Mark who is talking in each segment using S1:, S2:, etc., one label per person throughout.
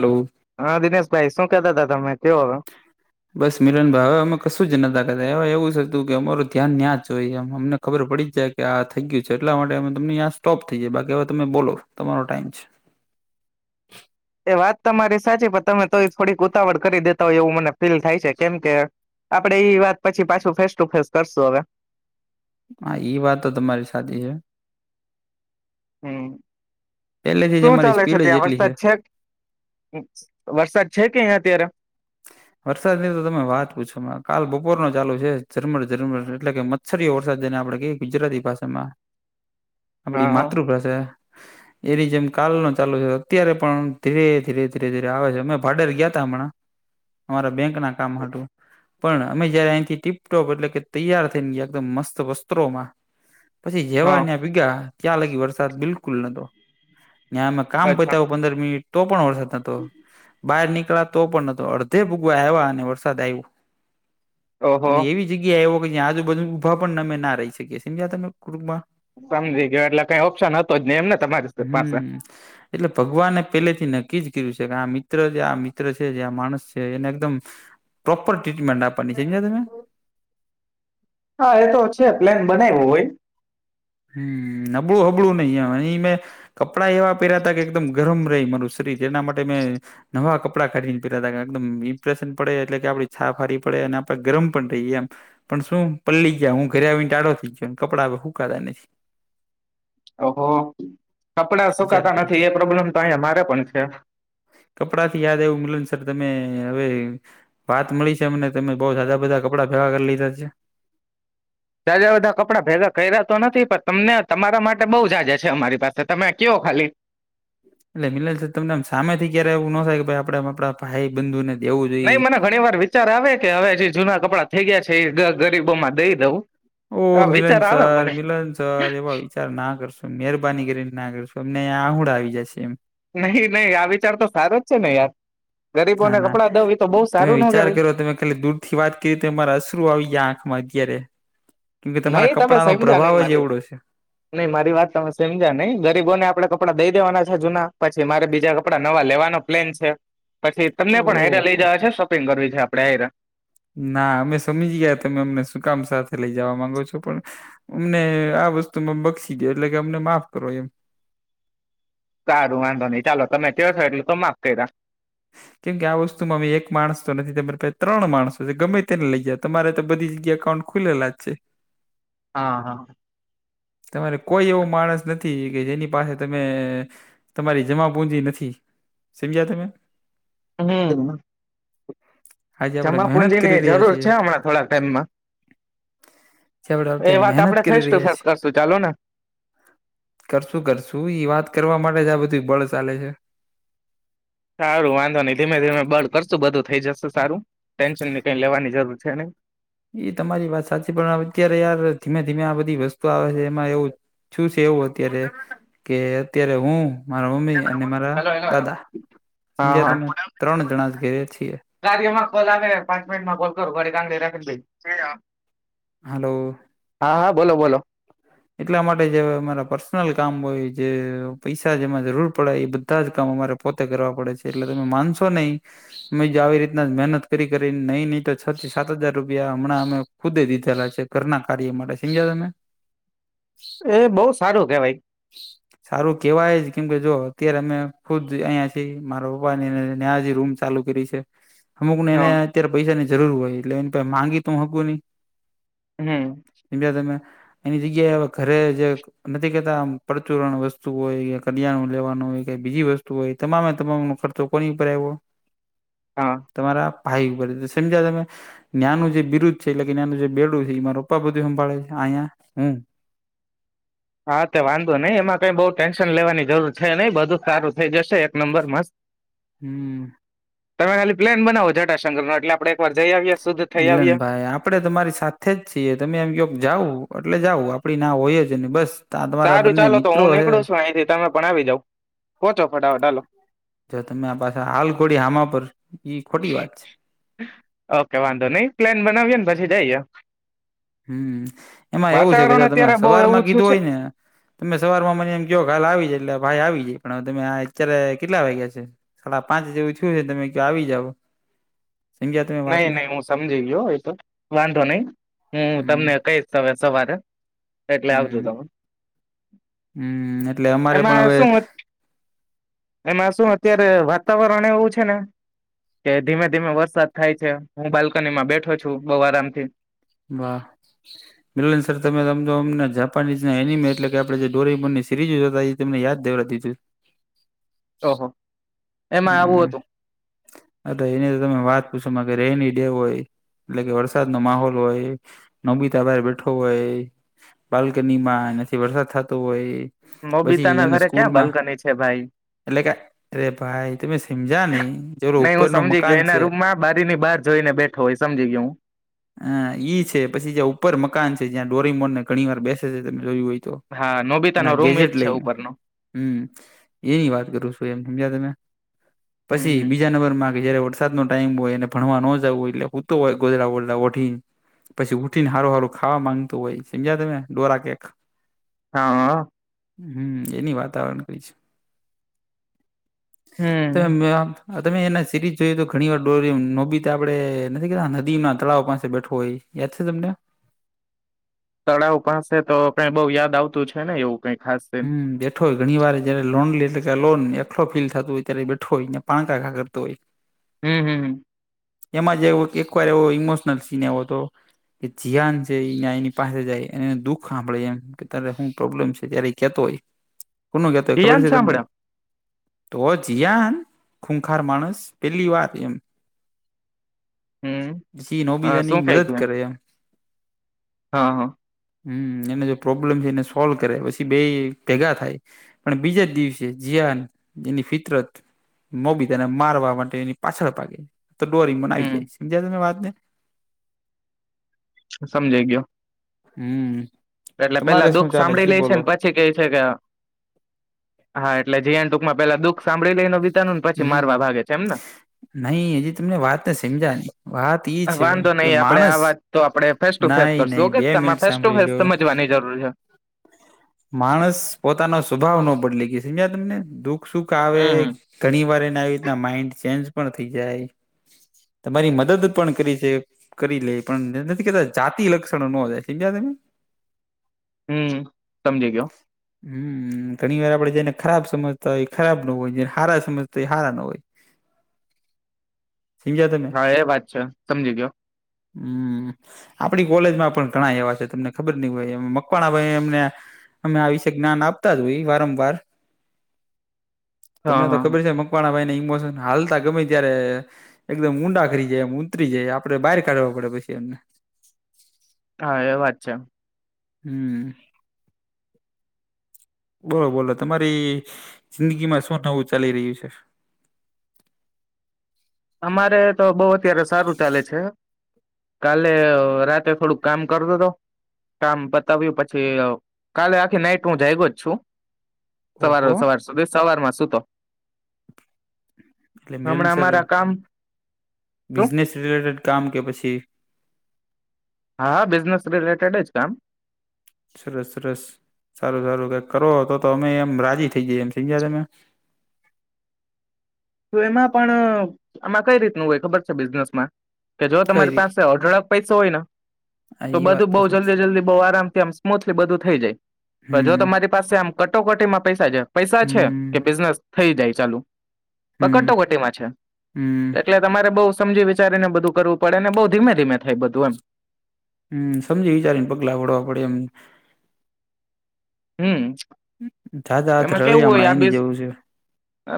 S1: Hello.
S2: હા, દિનેશભાઈ શું કહેતા હતા તમે કેવો હવે.
S1: બસ મિરન ભાઈ હવે અમે કશું જ નતા કરતાવે એવું જ હતું કે અમારું ધ્યાન ન્યા જ હોયએમ અમને ખબર પડી જાય કે આ થઈ ગયું છે એટલા માટે તમનેં સ્ટોપ થઈ જાય બાકી હવે તમે બોલો તમારો ટાઈમ છે.
S2: એ વાત તો મારી સાચી પણ તમે તો થોડીક ઉતાવળ કરી દેતા હોય એવું મને ફીલ થાય છે કેમ કે. આપડે એવી વાત પછી પાછું ફેસ ટુ ફેસ કરશું હવે.
S1: હા ઈ વાત તો તમારી સાચી છે.
S2: હમ,
S1: પહેલેથી જ
S2: શું
S1: અમારી
S2: ચાલે છે
S1: સ્પીડ જ
S2: ત્યાં
S1: એટલી
S2: વરસાદ છે. વરસાદ છે કે અત્યારે.
S1: વરસાદની તો તમે વાત પૂછો કાલ બપોર ન ચાલુ છે ઝરમર ઝરમર એટલે કે સરીયો વરસાદ જઈને આપડે ક ગુજરાતી ભાષામાં આપડી
S2: હા
S1: માતૃભાષા
S2: [inaudible]
S1: એ ર જેમ કાલ ન ચાલુ છે અત્યારે પણ ધીરે ધીરે ધીરે ધીરે આવે છે અમે ભાડેર ગયા હતા હમણાં અમારા બેંક ના કામ હતું પણ અમે જયારે અહીંથી ટીપટોપ એટલે કે તૈયાર થઈ ને ગયા એકદમ મસ્ત વસ્ત્રોમાં પછી જેવા
S2: હા
S1: ત્યાં પીગા ત્યાં લાગી વરસાદ બિલકુલ નતો ત્યાં અમે કામ
S2: અચ્છા
S1: પતા પંદર મિનિટ તો પણ વરસાદ નતો બહાર નીકળ તો પણ ન તો અડધે ભૂગવા આવવા અને વરસાદ આવ્યો
S2: ઓહો
S1: અને એવી જગ્યા એવો કે જ્યા આજુ બધુ ઊભા પણ નમે ના રહી શકીએ સમજ્યા તમે કટુંબ માં
S2: સમજી ગયો એટલે કઈ ઓપ્શન હતો જ નઈ એમ ને તમારી પાસે
S1: હમ એટલે ભગવાને પેલે થી નક્કીજ કર્યું છે કે આ મિત્ર છે આ મિત્ર છે જે આ માણસ છે એને એકદમ પ્રોપર ટ્રીટમેન્ટ આપવાની [unintelligible]
S2: હા એ તો છે પ્લેન બનાયવો હોય
S1: હમ નબળું હબળું નઈ એ ઇ મેં કપડાં એવા પેરયાતા કે એકદમ ગરમ રહી મારું શરીર એના માટે મેં નવા કપડાં કાઢીને પેરયાતા એકદમ ઇમ્પ્રેશન પડે એટલે કે આપડી છાપ હારી પડે અને આપડે ગરમ પણ થહીએ એમ પણ શું પલળી ગયા હું ઘરે આવીને ટાળો થઈ ગયો કપડા હવે હૂકાતા નહીં
S2: ઓહો કપડા
S1: વિચાર
S2: સુકાતા
S1: કરો
S2: નથી એ પ્રોબ્લેમ તો અહીયા મારે પણ છે
S1: કપડાથી યાદ આવ્યું મિલન સર તમે હવે વાત મળી છે અમને તમે બઉ જાજા બધા કપડા ભેગા કરી લીધા છે
S2: જાજા બધા કપડાં ભેગા કર્યા તો નથી પણ તમને તમારા માટે બહુ જાજા છે અમારી પાસે તમે કયો ખાલી
S1: એટલે મિલેલ છે તમને આમ સામે થી ક્યારે એવું ન થાય કે ભાઈ આપડે આપડા ભાઈ બંધુ ને
S2: નહી મને ઘણી વાર વિચાર આવે કે હવે જે જૂના કપડાં થઈ ગયા છે એ ગરીબોમાં દઈ દવું
S1: ઓહ મિલન સર મિલન સર એવાય વિચાર ના કરશું મહેરબાની કરીન ના કરશું અમને આહુડા આવી જશે એમ
S2: નહી નહીં આ વિચાર તો સારો જ છે ને યાર
S1: હા
S2: ગરીબોને
S1: ના
S2: કપડાં દઉં એ તો બહુ
S1: તમે
S2: સારું ન
S1: વિચાર
S2: કહેવાય
S1: કરો તમે ખાલી દૂધ થી વાત કરી તો ય મારા અશ્રુ આવી ગયા આંખમાં અતયારે કેમકે તમારા કપડા નો પ્રભાવ જ એવડો છે
S2: નઈ મારી વાત તમે સમજ્યા નઈ ગરીબોને આપડે કપડા દઈ દેવાના છે જૂના પછી મારે બીજા કપડા નવા લેવાના પ્લેન છે પછી તમને પણ હાઈર લઈ
S1: ઓહો!
S2: જવા છે શોપિંગ કરવી છે આપડે હાઈર
S1: ના અમે સમજી ગયા તમે અમને શું કામ સાથે લઇ જવા માંગો છો પણ અમને આ વસ્તુમાં બક્ષી દે એટલે કે અમને માફ કરો એમ
S2: સારું વાંધો નઈ ચાલો તમે કયો છો એટલે તો માફ કર્યા
S1: કેમ કે આ વસ્તુમાં અમે એક માણસ તો નથી તમારે પછ ત્રણ માણસો છે ગમે તેને લઈ જ તમારે તો બધી જગ્યા એકાઉન્ટ ખુલેલા જ છે
S2: હા હા
S1: તમારે કોઈ એવો માણસ નથી કે જેની પાસે તમે તમારી જમા પુંજી નથી સમજ્યા તમે
S2: હમ
S1: આજે આપણે
S2: જમા
S1: મહેનત
S2: પુંજી
S1: કરી
S2: ની
S1: રહ્યા
S2: જરૂર
S1: છીએ
S2: છે હમણાં થોડાક ટાઈમમાં
S1: જે આપણે
S2: એ
S1: અત્યારે
S2: વાત
S1: મહેનત
S2: આપડે
S1: કરી
S2: ફેસ ટુ
S1: રહ્યા
S2: ફેસ
S1: છીએ
S2: કરશુ ચાલો ને
S1: કરશું કરશું ઇ વાત કરવા માટે જ આ બધું બળ ચાલે છે
S2: સારું વાંધો નહી ધીમે ધીમે બળ કરશું બધું થઈ જશે સારું ટેન્શન ની કઈ લેવાની જરૂર છે ની
S1: એ તમારી વાત સાચી પણ અત્યારે યાર ધીમે ધીમે આ બધી વસ્તુ આવે છે એમાં એવું શું છે એવું અત્યારે કે અત્યારે હું મારા મમ્મી અને મારા
S2: હલો હલો હલો
S1: દાદા
S2: હા
S1: સમજ્યા
S2: હા
S1: તમે ત્રણ જણા જ ઘેરે છીએ.
S2: કાર્યમાં કોલ આવે પ પાચ મિનિટ માં કોલ કરો [unintelligible] [unintelligible]
S1: હલો
S2: હા હા બોલો બોલો
S1: એટલા માટે જે અમારા પર્સનલ કામ હોય જે પૈસા જેમાં જરૂર પડે એ બ બધા જ કામ અમારે પોતે કરવા પડે છે એટલે તમે માનશો નહીં અમે જો આવી રીતના જ મહેનત કરી કરી નહી નહી તો છ થી સાત હજાર રૂપિયા હમણાં અમે ખુદે દીધેલા છે ઘરના કાર્ય માટે સમજ્યા તમે?
S2: એ બહુ સારું કેવાય.
S1: સારું કેહેવાય જ કેમકે જો અત્યારે અમે ખુદ અહીંયા મારા પપ્પા ને [unintelligible] રૂમ ચાલુ કરી છે. અમુક ને
S2: હ
S1: એને અત્યારે પૈસા ની જરૂર હોય એટલે એની પાહે માંગી તો હું હકું નહી.
S2: હમ
S1: હમજ્યા તમે એની જગ્યાએ ઘરે જ એક નથી કેતા આમ પરચુરણ વસ્તુ હોય કે કટી લેવાનું હોય કે બીજી વસ્તુ હોય તમામે તમામ ની ખર્ચો કોની ઉપર આઇવો
S2: હા
S1: તમારા ભાઈ ઉપર જ સમજ્યા તમે? ન્યાંનું જે બિરુદ્ છે એટલે કે ન્યાનું જે બેડું છે એ મારા પપ્પા બધું સંભાળે છે અયા હું.
S2: હા તે વાંધો નઈ એમાં કઈ બહુ ટેન્શન લેવાની જરૂર છે, નઈ બધું જ સારું થઈ જશે એક નંબર મસ્ત. [inaudible]
S1: હમ્મ
S2: તમે ખાલી પ્લેન બનાવો જટાશંકર નો એટલે આપડે એક વાર જઈ આવીએ.
S1: મીલન ભાઈ આપ આપડે તમારી સાથે જ છીએ તમે એમ કયો જાવ એટલે જાવ આપડી ના હોય જ નઈ બસ આ તમારા
S2: સારું
S1: બંને
S2: ચાલો તો
S1: મિત્રો
S2: હું
S1: હે
S2: નીકળું છું અહીંથી તમે પણ આવી જાઉ પહોચો ફટાફટ હાલો.
S1: જો તમે આ પાસે હાલ ઘોડી હામા પર ઈ ખોટી વાત છે,
S2: ઓકે વાંધો નઈ પ્લેન બનાવીએ ને પછી જઈએ.
S1: હમ્મ એમાં એવું છે, કે
S2: વાતાવરણ
S1: જો તમે
S2: અત્યારે બહુ
S1: સવાર
S2: એવું
S1: માં
S2: થયું
S1: કીધું
S2: છે
S1: હોય ને તમે સવાર માં મને એમ કયો કે હાલ આવી જાય એટલે ભાઈ આવી જાય, પણ આ અત્યારે કેટલા વાગ્યા છે? હાડા પાંચ જેવું થયું ને તમે ક્યો આવી જાઓ.
S2: નઈ નહી હું સમજી ગયો એ તો વાંધો નહી હું
S1: હમ
S2: તમને કઈશ હવે સવારે. એટલે આવજો
S1: હમ
S2: તમે
S1: હમ એટલે અમારે પણ
S2: એમાં
S1: હવે
S2: શું એમાં શું અત્યારે વાતાવરણ એવું છે ને કે ધીમે ધીમે વરસાદ થાય છે, હું બાલ્કનીમાં બેઠો છું બઉ આરામથી.
S1: વાહ મિલન સર તમેમ તો અમને જાપાનીઝ ના એનિમે એટલે કે આપડે જે ડોરીમોનની સિરીઝ જોતા તા એ તમને યાદ દેવરાતી છું.
S2: ઓહો એમાં આવું
S1: હમ્મ
S2: હતું
S1: હ તો એની તો તમે વાત પૂછો કે રેની ડે હોય એટલે કે વરસાદ નો માહોલ હોય નોબીતા બાર બેઠો હોય બાલ્કની માં નથી વરસાદ થતો હોય
S2: નોબિતા
S1: પછી
S2: ના
S1: એને
S2: ઘરે ક્યાં
S1: સ્કૂલમાં
S2: બાલ્કની છે ભાઈ?
S1: એટલે કે અરે ભાઈ તમે સમજ્યા નહી જરો
S2: નહી
S1: ઉપર
S2: હું
S1: ન
S2: સમજી
S1: મકાન
S2: ગયો એના
S1: છે
S2: રૂમમાં બારી ની બહાર જોઈને બેઠ થો એ સમજી ગયો હું.
S1: હ ઈ છે પછી જ્યાં ઉપર મકાન છે જ્યાં ડોરી મોરને ઘણી વાર બેસે છે તમે જોયું હોય તો?
S2: હા નોબિતા
S1: એના
S2: નો રૂમ એજ
S1: ગેજેટ
S2: છે
S1: લઈને
S2: ઉપરનો.
S1: હમ એની વાત કરું છું, એમ સમજ્યા તમે?
S2: હમ
S1: પછી
S2: હમ
S1: બીજા નંબર માં જયારે ઓ વરસાદ નો ટાઈમ હોયને ભણવા ન જવું એટલે હુંતો હોય ગોધરા ગોધરા વઠીને. પછી ઉઠીને સારું હારું ખાવા માંગતું હોય સમજ્યા તમે ડોરા કેક
S2: હા.
S1: હમ્મએની વાતાવરણ કઈ છે, તે
S2: હમ.
S1: મે તમે એના સિરીઝ જોયએ તો ઘણી વાર ડોરી નોબીતા આપડે નથી કે દિ નદી માં તળાવ પાસે બેઠવો હોય. યાદ છે, તમને?
S2: તળાવ પાસે તો કઈ બઉુ યાદ આવતું છે, ને એવું કઈક.
S1: હમ્મ બેઠો હોય ઘણી વાર જયારે લોન લે કે લોનને એકલો ફીલ થતો હોય ત્યારે બેઠો હોય ને પાણકાકા કરતો હોય.
S2: હમહમ
S1: એમાં જે એકવાર એવો ઈમોશનલ સીન આવો હતો. કે જીિયાન છે એ એની પાસે જાય અને દુઃખ સાંભળે એમ કે ત શું પ્રોબ્લેમ છે, ત્યારે કેતો હોય કોનો કેતો હોય ખબર
S2: યાન
S1: છે, તમને?
S2: સાંભળે
S1: તો જીયાન ખૂખાર માણસ પેલી વાર એમ.
S2: હમ
S1: પછી
S2: શું
S1: નોબીતાની
S2: કઈ
S1: મદદ
S2: છે
S1: કરે એમ.
S2: હા હા.
S1: હમ એને જો પ્રોબ્લેમ છે એને સોલ્વ કરે પછી બે ભેગા થાય. પણ બીજે જ દિવસે જીયાન એની ફિતરત નોબીતાને મારવા માટે એની પાછળ ભાગે. તો ડોરેમોન આવી
S2: હમ.
S1: જાય સમજાય તમે વાતને.
S2: સમજાય ગયો.
S1: હમ.
S2: એટલે પેલા
S1: તમારે શું
S2: દુઃખ
S1: ચાલે
S2: સાભળી લે
S1: ઈ
S2: છે
S1: બોલો
S2: ને પછી છે કે છે કે હા હા એટલે જીયાન ટૂંકમાં પેલા દુઃખ સાંભળી લેય નો બી તા નું ને પછી
S1: હમ
S2: મારવા ભાગે છે એમને?
S1: નહી હજી તમને વાત ને સમજા ની વાત એઈ છે
S2: વાંધો
S1: કે
S2: નહી આપડે આ
S1: માણસ
S2: વાત તો આપણે ફેસ ટુ ફેસ
S1: નહી નહી
S2: કરશું
S1: બે
S2: તમારે
S1: મિનિટ
S2: ફેસ ટુ
S1: સાંભળી
S2: ફેસ
S1: લ્યો
S2: સમજવાની જરૂર છે.
S1: માણસ પોતાનો સ્વભાવ ન બદલી ગયો છે સમજ્યા તમને દુઃખ સુખ આવે.
S2: હમ હમ.
S1: ઘણી વાર એને આવી રીતના માઇન્ડ ચેન્જ પણ થઇ જાય. તમારી મદદ પણ કરી છે. કરી લે પણ નથી કેતા જાતિ લક્ષણો ન જાય સમજ્યા તમે?
S2: હમ સમજી ગયો.
S1: હમ ઘણી વાર આપડે જેને ખરાબ સમજતા હોય એ ખરાબ ન હોય જેને હારા સમજતા હોય એ હારા નો હોય. સમજ્યા તમે
S2: હા એ વાત છે સમજી ગયો.
S1: હમ્મ આપડી કોલેજમાં પણ ઘણા એવા છે, તમને ખબર નઈ હોય એમ મકવાણા ભાઈ એમને અમે આ વિશે જ્ઞાન આપતા જ હોય વારંવાર.
S2: હા
S1: તમને તો
S2: હા
S1: ખબર છે મકવાણા ભાઈને ઇમોશન હાલતા ગમે ત્યારે એકદમ ઊંડા ખરી જાય એમ ઊતરી જાય આપડે બહાર કાઢવા પડે પછી એમને.
S2: હા એ વાત છે.
S1: હમમ બોલો બોલો તમારી જિંદગીમાં શું નવું ચાલી રહ્યું છે.,
S2: અમારે તો બઉ અત્યારે સારું ચાલે છે., કાલે રાતે થોડુંક કામ કરતો હતો., કામ પતાવ્યું પછી કાલે આખી નાઈટ હું જાયગો જ છું. સવારે
S1: ઓહો
S2: સવાર સુધી સવારમાં સુુતો
S1: એટલે મિલન
S2: હમણાં
S1: સર
S2: અમારા કામ શું
S1: બિઝનેસ રિલેટેડ કામ કે પછી,
S2: હા હા બિઝનેસ રિલેટેડ જ કામ,
S1: સરસ સરસ સારું સારું કઈક કરો તો અમે રાજી થઈ ગઈ એમ સમજ્યા તમે.,
S2: તો એમાં પણ આમાં કઈ રીતનું હોય ખબર છે બિઝનેસમાં કે જો
S1: કઈ
S2: તમારી
S1: રીતે
S2: પાસે અઢળક, પૈસા હોય ના,
S1: હા
S2: તો
S1: એ વાત
S2: બધું બઉ
S1: સાચી
S2: જલ્દી જલ્દી બઉ આરામથી આમ સ્મૂથલી બધું થઈ જાય તો જો
S1: હમ
S2: તમારી પાસે આમ કટોકટીમાં પૈસા છે પૈસા છે
S1: હમ
S2: કે બિઝનેસ થઇ જાય ચાલુ.,
S1: હમ
S2: કટોકટીમાં છે.,
S1: હમ
S2: એટલે તમારે બહુ સમજી વિચારી ને બધું કરવું પડે ને બવ ધીમે ધીમે થાય બધું એમ.,
S1: હમ સમજી વિચારી ને પગલાં ભરવા પડે એમ.,
S2: હમ
S1: જાદા
S2: તો
S1: હાથ
S2: એમાં કેવું
S1: રળિયા
S2: હોય
S1: હમણાં
S2: આ
S1: એની
S2: બિસ,
S1: જેવું છે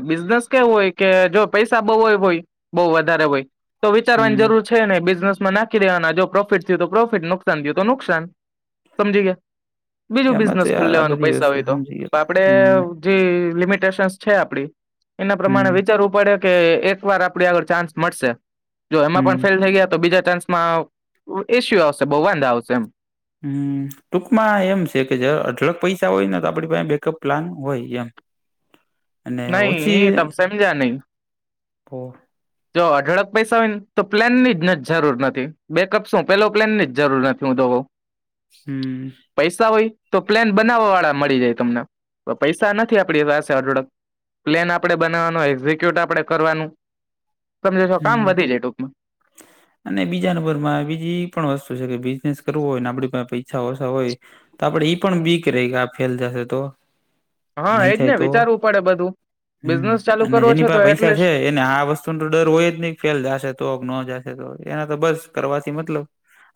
S2: બિઝનેસ કેવું હોય કે જો પૈસા બઉ જ હોય બવ વધારે હોય., તો વિચારવાની
S1: હમ
S2: જરૂર છે નઈ બિઝનેસ માં નાખી દેવાના જો પ્રોફિટ થયું તો પ્રોફિટ નુકસાન થયું તો નુકસાન., સમજી ગયા બીજું
S1: એમાં તો
S2: બિઝનેસ ખોલી
S1: યાર આ
S2: લેવાનું
S1: બધી
S2: પૈસા હોય
S1: વસ્તુ
S2: તો
S1: સમજી ગયા
S2: આપડે,
S1: હમ
S2: જે લિમિટેશન્સ છે આપડી એના પ્રમાણે
S1: હમ
S2: વિચારવું પડે,. કે એક વાર આપડે ચાન્સ મળશે, જો એમાં
S1: હમ
S2: પણ ફેલ થઈ ગયા તો ચાન્સમાં, ઇશયુ આવશે, બહુ વાંધા આવશે એમ,
S1: હમ ટૂંકમાં એમ છે કે જ અઢળક પૈસા હોય ને તો આપડી પાસે બેકઅપ પ્લાન હોય એમ, અને ઓછી
S2: નહી તમે સમજા નહી.,
S1: [inaudible]
S2: જો અઢળક પૈસા હોય ને તો પ્લેનની જ જરૂર નથી, બેકપ સોં પેલો પ્લેનની જરૂર નથી હું તો કઉ, [inaudible]
S1: હમ
S2: પૈસા હોય તો પ્લાન બનાવવા વાળા મળી જાય તમને, પૈસા નથી આપણી પાસે અઢળક, પ્લેન આપણે બનાવવાનો, એક્ઝિક્યુટ આપણે કરવાનું,, તમને તો કામ
S1: હમ
S2: વધી જાય ટૂંકમાં,
S1: અને બીજા નંબરમાં બીજી એ પણ વસ્તુ છે કે બિઝનેસ કરવો હોય ને આપ પૈસા ઓછા હોય, તો આપડે ઈ પણ વીક રહી ફેલ જાહે તો,
S2: હા
S1: નહી
S2: એજ
S1: થાય
S2: ને
S1: તો,
S2: વિચારવું પડે બધું
S1: હમ
S2: બિઝનેસ ચાલુ
S1: અને
S2: કરવો
S1: જેની
S2: છે તો
S1: પાસે પૈસા છે
S2: એટલીસ્ટ
S1: એને આ વસ્તુ, ડર હોય જ નહી ફેલ જશે તો, ન જશે તો એના તો બસ કરવાથી મતલબ,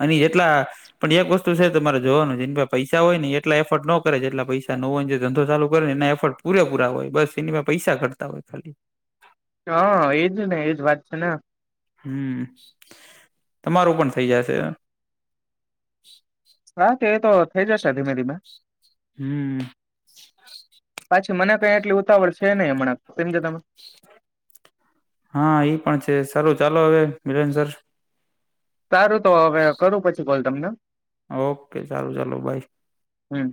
S1: અને એટલા, પણ એક વસ્તુ છે તમારે જોવાનું એ પૈસા હોય ને એટલા એફર્ટ નો કરે એટલા પૈસા ન હોયને જે ધંધો ચાલુ કરે ને એ, પૂરે પૂરા હોય બસ એની પાસે પૈસા ઘટતા હોય ખાલી,,,
S2: હા એજ ને એજ વાત છે
S1: હમ તમારું પણ થઇ જશે.,
S2: હા કે એ તો થઈ જશે ધીમે ધીમે,
S1: હમમ
S2: પાછી મને કઈ આટલી ઉતાવળ છે નહીં હમણાં કેમકે તમે,
S1: હા પણ છે સાલું ચાલો હવે મિલન સર,
S2: સારું તો હવે કરું પછી કોલ તમને.
S1: ઓકે ચાલો ચાલો બાય.
S2: હમ્મ